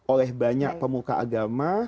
oleh banyak pemuka agama